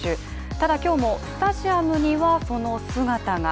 ただ、今日もスタジアムにはその姿が。